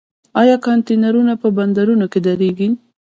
آیا کانټینرونه په بندرونو کې دریږي؟